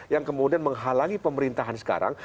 yang kemudian menghalangi pemerintahan sekarang